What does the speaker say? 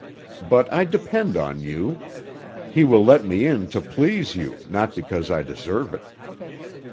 But I depend on you; He will let me in to please you not because I deserve it."